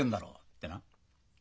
ってな。